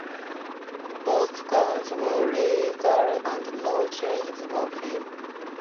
Both guns were legal and no charges were filed.